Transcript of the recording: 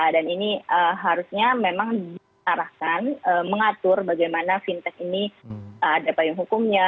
dan ini harusnya memang diarahkan mengatur bagaimana fintech ini ada payung hukumnya